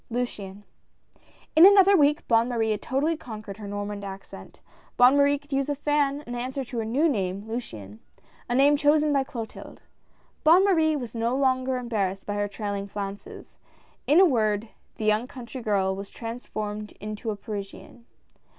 "LUCIANE I N another week Bonne Marie had totally conquered her Normand accent. Bonne Marie could use a fan and answered to her new name Luciane, a name chosen by Clotilde. Bonne Marie was no longer embarrassed by her trailing flounces. In a word, the young country girl was transformed into a Parisian.